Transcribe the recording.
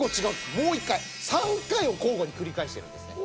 もう１回３回を交互に繰り返してるんですね。